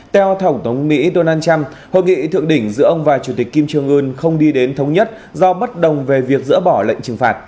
theo tổng thống mỹ donald trump hội nghị thượng đỉnh giữa ông và chủ tịch kim trương ưn không đi đến thống nhất do bất đồng về việc dỡ bỏ lệnh trừng phạt